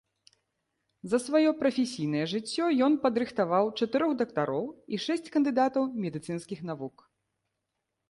За сваё прафесійнае жыццё ён падрыхтаваў чатырох дактароў і шэсць кандыдатаў медыцынскіх навук.